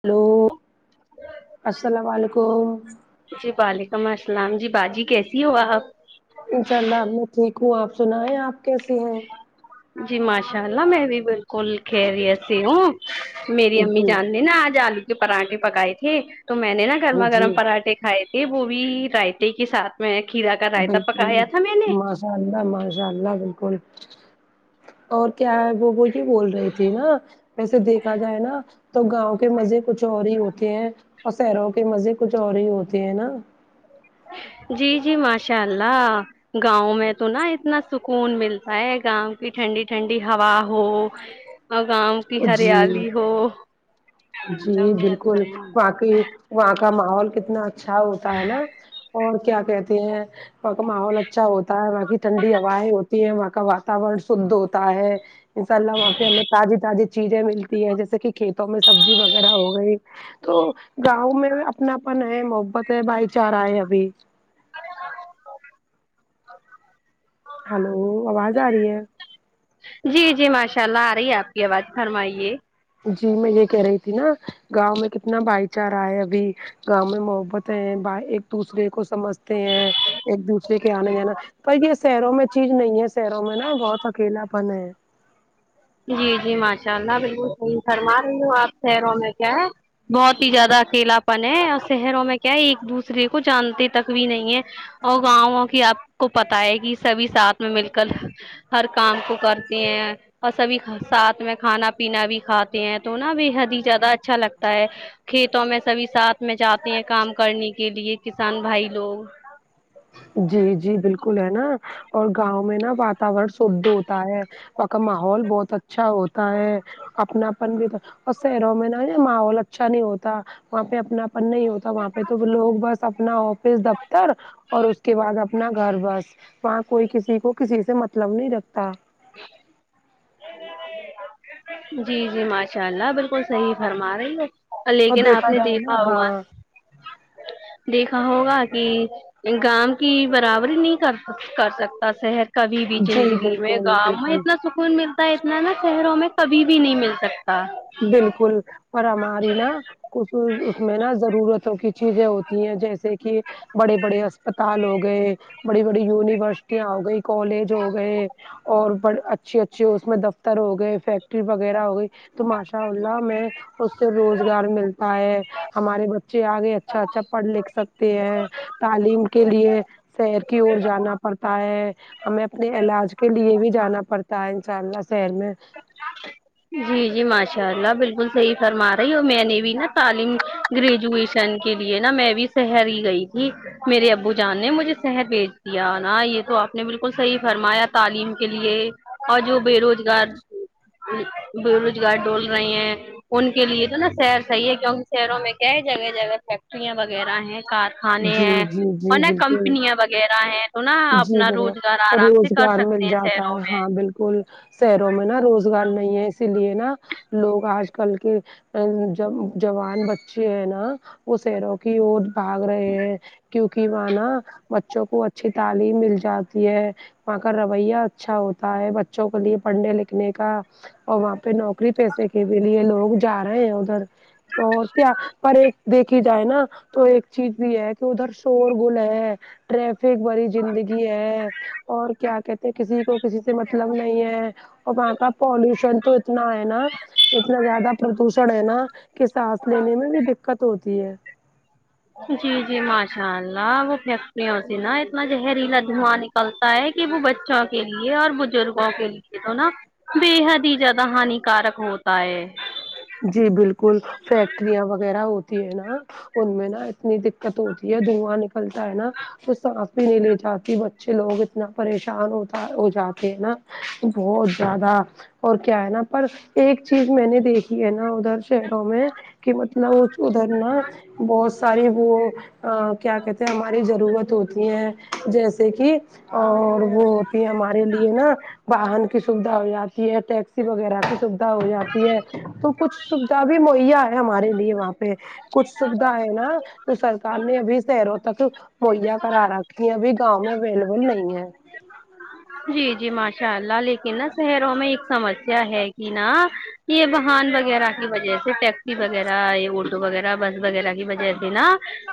hello السلام علیکم جی وعلیکم السلام جی باجی کیسی ہوا آپ انشاء اللہ میں ٹھیک ہوں آپ سنیں آپ کیسی ہیں جی ماشاء اللہ میں بھی بالکل کھی رہی س ہوں میری امی جان جی نے نا آج آلو کے پراٹھے پکائے تھے تو میں نے نا گرما جی گرم پراٹھے کھائے تھے وہ بھی رائتے کے ساتھ میں کھیرا کا رائتا پکایا تھا میں نے مشء اللہ ماشء اللہ بالکل اور کیا ہے وہ وہی بول رہی تھی نا ویسے دیکھا جائے نا تو گاؤں کے مزے کچھ اور ہی ہوتے ہیں اور شہروں کے مزے کچھ اور ہی ہوتے ہیں نا جی جی ماشاء اللہ گاؤں میں تو نا اتنا سکون ملتا ہے گاؤں کی ٹھنڈی ٹھنڈی ہوا ہو ہاں اور گاؤں کی جی ہریالی ہو جی بالکل باقی وہاں کا ماحول کتنا اچھا ہوتا ہے نا اور کیا کہتے ہیں وہاں کا ماحول اچھا ہوتا ہے وہاں کی ٹھنڈی ہوائیں ہوتی ہے وہاں کا وور شدھ ہوتا ہے انشاء اللہ وہاں پہ ہمیں تازی تازی چیزیں ملتی ہیں جیسے کہ کھیتوں میں سبزی وغیرہ ہو گئی تو گاؤں میں اپناپن ہے محبت ہے بھائی چارہ ہے ابھی ہلو آواز آ رہی ہے جی جی ماشاء اللہ آ رہی ہے آپ کی آواز فرمائیے جی میں یہ کہہ رہی تھی نا گاؤں میں کتنا بھائی چارہ ہے ابھی گاؤں میں محبت ہے ب ایک دوسرے کو سمجھتے ہیں ایک دوسرے کے آنا جانا پر یہ شہروں میں چیز نہیں ہے شہروں میں نا بہت اکیلا پن ہے جی جی ماشاء اللہ بالکل فرما رہی ہوں آپ شروں میں کیا ہے بہت ہی زیادہ اکیلاپن ہے اور شہروں میں کیا ہے ایک دوسرے کو جانتے تک بھی نہیں ہے اور گاؤ کہ آپ کو پتا ہے کی سبھی ساتھ میں مل کل ہر کام کو کرتے ہیں اور سبھی ساتھ میں کھانا پینا بھی کھاتے ہیں تو نا بےحد ہی زیادہ اچھا لگتا ہے کھیتوں میں سبھی ساتھ میں جاتے ہیں کام کرنے کے لیے کسان بھائی لوگ جی جی بالکل ہے نا اور گاؤں میں نا واتورن شھ ہوتا ہے وہ کا ماحول بہت اچھا ہوتا ہے اپناپن بھی تو اور شہروں میں نا ماحول اچھا نہیں ہوتا وہاں پہ اپنا نہیں ہوتا وہاں پہ تو لوگ بس اپنا آفس دفتر اور اس کے بعد اپنا گھر بس وہاں کوئی کسی کو کسی سے مطلب نہیں رکھتا جی جی ماشاء اللہ بالکل صحیح فرما رہی ہے اور لیکن آپ نے جائے نا دیکھا ہوگا ہاں دیکھا ہوگا کہ گاؤ کی برابری نہیں کرک کر سکتا شہر کبھی بھی جی جندگی میں بالکل گاؤں میں بالکل اتنا سکون ملتا ہے اتنا نا شہروں میں کبھی بھی نہیں مل سکتا بالکل پر ہماری نا کچھ اس میں نا ضرورتوں کی چیزیں ہوتی ہیں جیسے کہ بڑے بڑے اسپتال ہو گئے بڑی بڑی یونیورسٹیاں ہو گئی کالج ہو گئے اور بڑ اچھی اچھی اس میں دفتر ہو گئے فیکٹری وغیرہ ہوگیے تو ماشاء اللہ میں اس سے روزگار ملتا ہے ہمارے بچے آگے اچھا اچھا پڑھ لکھ سکتے ہیں تعلیم کے لیے شہر کی اور جانا پڑتا ہے ہمیں اپنے علاج کے لیے بھی جانا پڑتا ہے ان شاء اللہ شہر میں جی جی ماشاء اللہ بالکل صحیح فرما رہی ہو میں نے بھی نا تعلیم گریجویشن کے لیے نا میں بھی سهر ہی گئی تھی میرے ابو جان نے مجھے سہر بھیج دیا نا یہ تو آپ نے بالکل صحیح فرمایا تعلیم کے لیے اور جو بے روجگار بے روجگار ڈول رہے ہیں ان کے لیے تو نا سهر صحیح ہے کیونکہ شہروں میں کیا ہے جگہ جگہ فیکٹریاں وغیرہ ہیں کار کھانے جی ہیں جی اور جی نہ بالکل کمپنیاں وغیرہ ہیں تو نا جی اپنا بالکل روجگار تو آرام سے کر سکتے ہیں سیرو میں اسکل شہروں میں نا روزگار نہیں ہے اسی لیے نا لوگ آج کل کےجو جوان بچے ہیں نا وہ شیروں کی اور بھاگ رہے ہیں کیوںکہ وہاں نا بچوں کو چھ تعلم مل جاتی ہے وہاں کا رویہ اچھا ہوتا ہے بچوں کے لیے پڑھنے لکھنے کا اور وہاں پہ نوکری پیسے کے بھی لیے لوگ جا رہے ہیں ادھر اور کیا پر ایک دیکھی جائے نا تو ایک چیز بھی ہے کہ ادھر شور گول ہے ٹرک ایک بڑی زندگی ہے اور کیا کہتے ہیں کسی کو کسی سے مطلب نہیں ہے اور وہاں کا پولوشن تو اتنا ہے نا اتنا زیادہ پردوشن ہے نا کہ سانس لینے میں بھی دکت ہوتی ہے جی جی ماشاء اللہ وہ فیکٹریا ہوتی نا اتنا زہریلا دھواک چلتا ہے کہ وہ بچوں کے لیے اور بزرگوں کے لیے تو نا بےحد ہی زیادہ ہانی کارک ہوتا ہے جی بالکل فیکٹریاں وغیرہ ہوتی ہے نا ان میں نا اتنی دقت ہوتی ہے دھواں نکلتا ہے نا تو سانس بھی نہیں لے جاتی بچے لوگ اتنا پریشان ہوتا ہو جاتے ہیں نا بہت زیادہ اور کیا ہے نا پر ایک چیز میں نے دیکھی ہے نا ادھر شہروں میں کہ مطلب ادھر نا بہت ساری وہ کیا کہتے ہیں ہماری ضروت ہوتی ہے جیسے کہ اور وہ ہوتی ہے ہمارے لیے نا فہان کی سویدھا ہو جاتی ٹیکسی وغیرہ کی سویدھا ہو جاتی ہے تو کچھ سویدھا بھی مہیا ہے ہمارے لیے وہاں پہ کچھ سویدھا ہے نا سر کان نے ابھی شہروں تک مہیا کرا رکھی ہیں ابھی گاؤں میں اویلبل نہیں ہے جی جی ماشاء اللہ لیکن نا شہروں میں ایک سمسیا ہے کی نا یہ واہن وغیرہ کی وجہ سے ٹیکسی وغیرہ یہ آٹو وغیرہ بس وغیرہ کی وجہ سے نا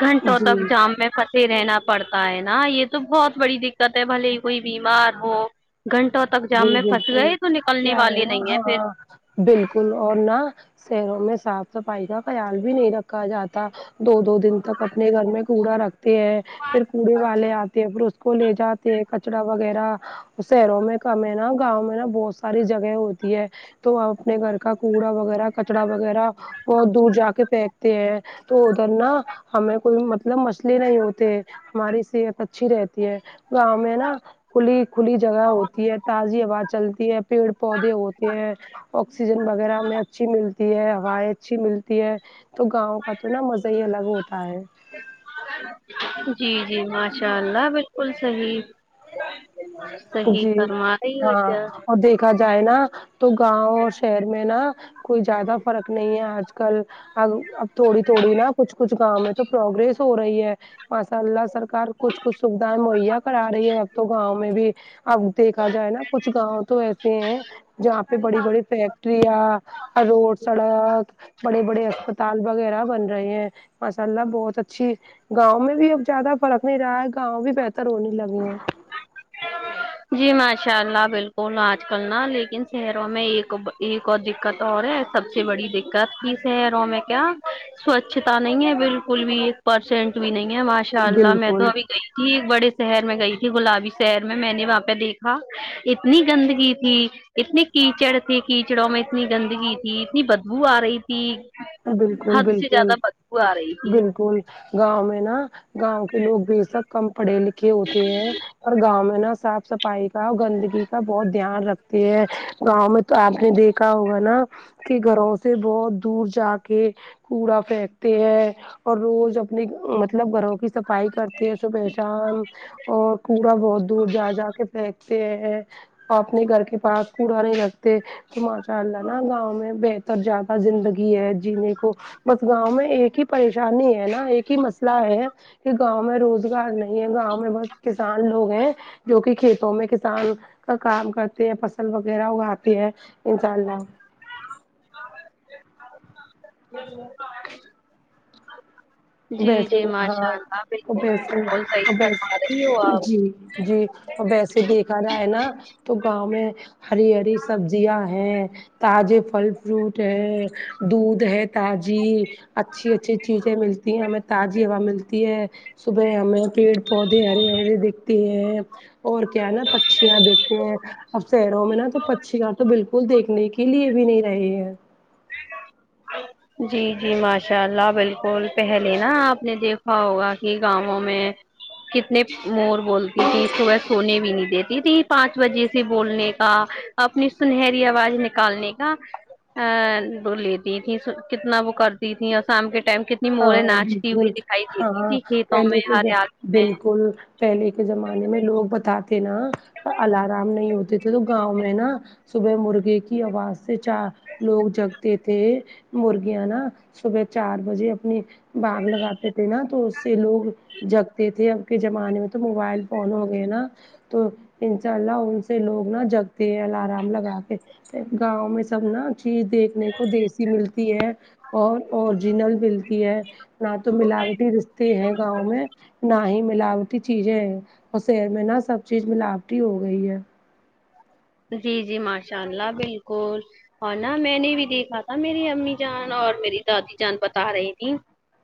گھنٹوں جی تک جام میں سے رہنا پڑتا ہے نا یہ تو بہت بڑی دکت ہے بھلے ہی کوئی بیمار ہو گھنٹوں تک جام جی میں پھنس بالکل گئے تو نکلنے کیا والے نا نہیں ہے پھر ہاں بالکل اور نہ شہروں میں صاف صفائی کا خیال بھی نہیں رکھا جاتا دو دو دن تک اپنے گھر میں کوڑا رکھتے ہیں پھر کوڑے والے آتے ہیں پھر اس کو لے جاتے ہیں کچرا وغیرہ شہیروں میں کم ہیں نا گاؤں میں نا بہت ساری جگہ ہوتی ہے تو ہم اپنے گھر کا کوڑا وغیرہ کچرا وغیرہ بہت دور جا کے پھینکتے ہیں تو ادھر نا ہمیں کوئی مطلب مسلے نہیں ہوتے ہماری صحت اچھی رہتی ہے گاؤں میں نا کھلی کھلی جگہ ہوت تی ہے تازی ہوا چلتی ہے پیڑ پودے ہوتے ہیں آکسیجن وغیرہ ہمیں اچھی ملتی ہے ہوائیں اچھی ملتی ہے تو گاؤں کا تو نا مزہ ہی الگ ہوتا ہے جی جی ماشاء اللہ بالکل صحیح صحیح جی فرما رہی ہو ہاں کیا اور دیکھا جائے نا تو گاؤں اور شہر میں نا کوئی زیادہ فرق نہیں ہے آج کل ہم اب تھوڑی تھوڑی نا کچھ کچھ گاؤں میں تو پروگریس ہو رہی ہے ماشاء اللہ سرکار کچھ کچھ سکھدان موہیا کہڑا رہی ہے اب تو گاؤں میں بھی اب دیکھا جائے نا کچھ گاؤں تو ایسے ہیں جہاں پہ بڑی بڑی فیکٹریاں روڈ سڑک بڑے بڑے اسپتال وغیرہ بن رہے ہیں ماشاء اللہ بہت اچھی گاؤں میں بھی اب زیادہ فرق نہیں رہا ہے گاؤں بھی بہتر ہونے لگے ہیں کیا جی ماشاء اللہ بالکل آج کل نا لیکن شہروں میں ایک ب ایک اور دکت اور ہے سب سے بڑی دقت تھی شہروں میں کیا سوچھتا نہیں ہے بالکل بھی ایک پرسینٹ بھی نہیں ہے ہمار ان شاء اللہ میں بالکل تو ابھی گئی تھی ایک بڑے شہر میں گئی تھی گلابی شہیر میں میں نے وہاں پے دیکھا اتنی گندگی تھی اتنے کیچڑ تھے کیچڑوں میں اتنی گندگی تھی اتنی بدبو آرہی تھی ہاں بالکل حد سے بالکل زیادہ بدبو آ رہی تھی بالکل گاؤں میں نا گاؤں کے لوگ بھی سب کم پڑھے لکھے ہوتے ہیں اور گاؤں میں نا صاف صف فائی کا گندگی کا بہت دھیان رکھتے ہیں گاؤں میں تو آپ نے دیکھا ہوگا نا کے گھروں سے بہت دور جا کے کوڑا پھینکتے ہیں اور روز اپنے مطلب گھروں کی صفائی کرتے ہیں صبحے شام اور کوڑا بہت دور جا جا کے پھینکتے ہیں اپنے گھر کے پاس کوڑا نہیں رکھتے تو ماشاء اللہ نا گاؤں میں بہتر زیادہ زندگی ہے جینے کو بس گاؤں میں ایک ہی پریشانی ہے نا ایک ہی مسئلہ ہے کی گاؤں میں روزگار نہیں ہے گاؤں میں بس کسان لوگ ہیں جو کی کھیتوں میں کسان کا کام کرتے ہیں فصل وغیرہ اگاتے ہیں انشاء اللہ جی ویسے جی ماشاء ہاں اللہ بالکل ویسے بالکل صحیح فرما ویسے رہی ہو آپ جی جی ویسے دیکھا جائے نا تو گاؤں میں ہری ہری سبزیاں ہیں تازے پھل فروٹ ہے دودھ ہے تازی اچھی اچھی چیزیں ملتی ہیں ہمیں تازی ہوا ملتی ہے صبح ہمیں پیڑ پودے ہری ہری دکھتی ہیں اور کیا ہیں نہ پکشیاں دیکھتے ہے اب شہروں میں نا تو پکشیاں تو بالکل دیکھنے کے لیے بھی نہیں رہے ہیں ہ جی جی ماشاء اللہ بالکل پہلے نا آپ نے دیکھا ہوگا کی گاؤوں میں کتنے مور بولتی تھی صبحے سونے بھی نہیں دیتی تھی پانچ بجے سے بولنے کا اپنی سنہری آواز نکالنے کا آ لیتی تھی کتنا وہ کرتی تھی اور شام کے ٹائم کت ہاں بالکل ہاں کھیتوں میں پہلے کے ذم ہریالی میں بالکل پہلے کے زمانے میں لوگ بتاتے نا الارام نہیں ہوتے تھے تو گاؤں میں نا صبح مرغے کی آواز سے چار لوگ جگتے تھے مرغیاں نا صبح چار بجے اپنی باگ لگاتے تھے نا تو اس سے لوگ جگتے تھے اب کے زمانے میں تو موبائل فون ہو گئے نا تو انشاء اللہ ان سے لوگ نہا جگتے ہیں الارام لگا کے گاؤں میں سب نا چیز دیکھنے کو دیسی ملتی ہے اور اور جنل بل ہے نہ تو ملاوٹی رشتے ہیں گاؤں میں نہ ہی ملاوٹی ٹی چیزیں ہیں اور شر میں نہا سب چیز ملاوٹی ہو گئی ہے جی جی ماشاء اللہ بالکل اور نہ میں نے بھی دیکھا تھا میری امی جان اور میری دادی جان بتا رہی تھیں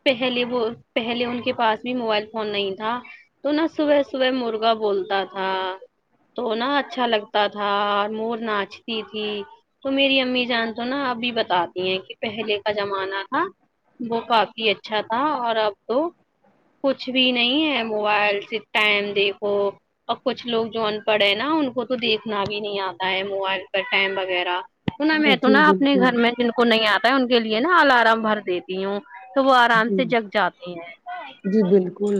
پہلے وہ پہلے ان کے پاس بھی موبائل فون نہیں تھا تو نہا صبح صبح مرغا بولتا تھا تو نہا اچھا لگتا تھا تھا اور مور ناچتی تھی تو میری امی جان تو نا ابھی بتاتی ہیں کہ پہلے کا زمانہ تھا وہ کافی اچھا تھا اور اب تو کچھ بھی نہیں ہے موبائل سے ٹائم دیکھو اور کچھ لوگ جو ان پڑھ ہے نا ان کو تو دیکھنا بھی نہیں آتا ہے موبائل پر ٹم وغیرہ تو نہا میں تو جی نا اپنے بالکل گھر میں جن کو نہیں آتا ہے ان کے لیے نا الارم بھر دیتی ہوں تو وہ آرام جی سے جگ جاتے جی ہیں بالکل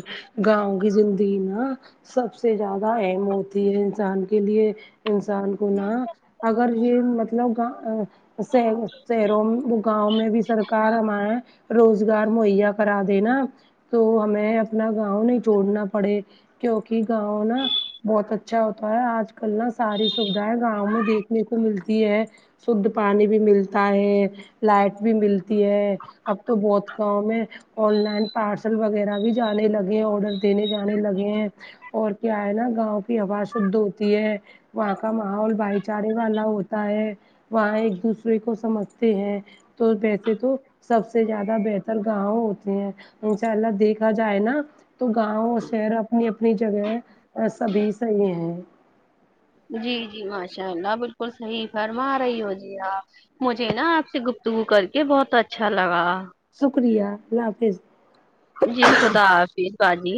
گاؤں کی زندگی نا سب سے زیادہ اہم ہوتی ہے انسان کے لیے انسان کو نہا اگر یہ مطلب شہروں گاؤ میں بھی سرکار ہمارا روز رگار مہیا کرا دےینا تو ہمیں اپنا گاؤں نہیں چھڑنا پڑے کیوںکہ گاؤں نا بہت اچھا ہوتا ہے آج کل نا ساری سویدھائیں گاؤں میں دیکنے کو ملتی ہے شھ پانی بھی ملتا ہے لائٹ بھی ملتی ہے اب تو بہت گاؤں میں آن لائن پارسل وغیرہ بھی جانے لگے ہیں آڈر دینے جانے لگے ہیں اور کیا ہے نا گاؤں کی ہوا شدھ ہوتی ہے وہاں کا ماحول بھائی چارے والا ہوتا ہے وہاں ایک دوسرے کو سمجھتے ہیں تو ویسے تو سب سے زیادہ بتر ر گاؤ ہوتے ہیں ان شاء اللہ دیکھا جائے نا تو گاؤں اور شہر اپنی اپنی جگہ سبھی صحیح ہیں جی جی ماشاء اللہ بالکل صحیح فرما رہی ہو جی آپ مجھے نا آپ سے گفتگو کر کے بہت اچھا لگا شکریہ اللہ حافظ جی خدا حافظی باجی